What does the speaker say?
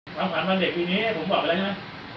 คำถามตอนเด็กปีนี้ผมบอกไปแล้วใช่มั้ย